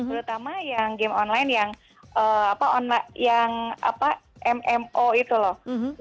terutama yang game online yang mmo itu loh